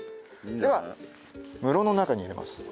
では室の中に入れます。